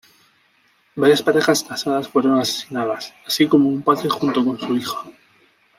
Varias parejas casadas fueron asesinadas, así como un padre junto con su hija.